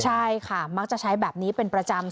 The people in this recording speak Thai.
ใช่ค่ะมักจะใช้แบบนี้เป็นประจำ